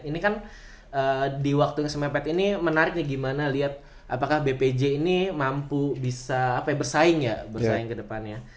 ini kan di waktu yang sempet ini menariknya gimana liat apakah bpj ini mampu bisa bersaing ya bersaing kedepannya